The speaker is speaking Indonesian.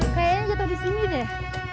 kayaknya jatuh disini deh